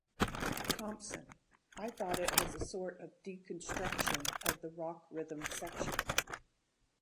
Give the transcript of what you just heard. Thompson: I thought it was a sort of deconstruction of the rock rhythm section...